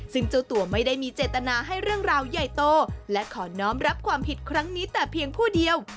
ซึ่งเจ้าตัวไม่ได้มีเจตนาให้เรื่องราวใหญ่โตและขอน้องรับความผิดครั้งนี้แต่เพียงผู้เดียว